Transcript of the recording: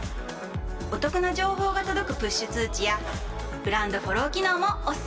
お得な情報が届くプッシュ通知やブランドフォロー機能もおすすめ！